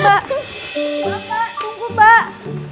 mbak tunggu mbak